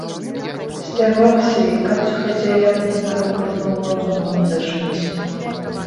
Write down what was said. Сцярогся, каб хаця як незнарок ізноў розуму не зашыць.